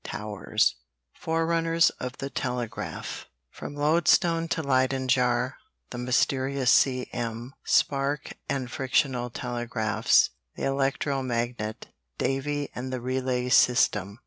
III FORERUNNERS OF THE TELEGRAPH From Lodestone to Leyden Jar The Mysterious "C.M." Spark and Frictional Telegraphs The Electro magnet Davy and the Relay System.